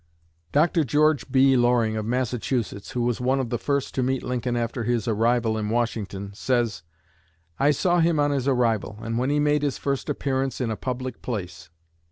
Dr. George B. Loring, of Massachusetts, who was one of the first to meet Lincoln after his arrival in Washington, says: "I saw him on his arrival, and when he made his first appearance in a public place.